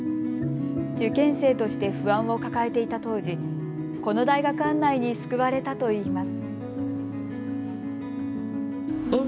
受験生として不安を抱えていた当時、この大学案内に救われたといいます。